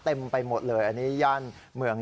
ไปหมดเลยอันนี้ย่านเมือง